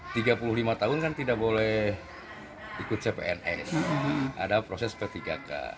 tiga puluh lima tahun kan tidak boleh ikut cpns ada proses p tiga k